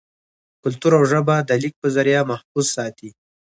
کلتور او ژبه دَليک پۀ زريعه محفوظ ساتي